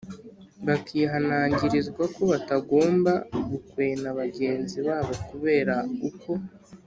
bakihanangirizwa ko batagomba gukwena bagenzi babo kubera uko